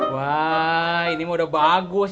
wah ini mau udah bagus